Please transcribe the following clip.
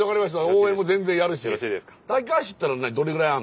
応援も全然やるし。